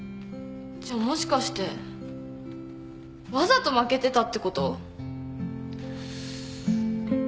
じゃもしかしてわざと負けてたってこと？